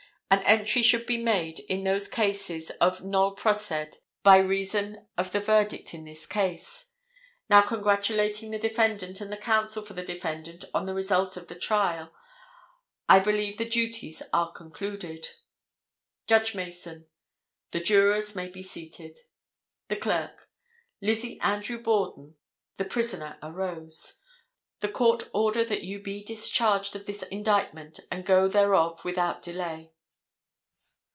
An entry should be made in those cases of nol prossed by reason of the verdict in this case. Now, congratulating the defendant and the counsel for the defendant on the result of the trial, I believe the duties are concluded. Judge Mason—The jurors may be seated. The clerk—Lizzie Andrew Borden. (The prisoner arose.) The court order that you be discharged of this indictment and go thereof without delay.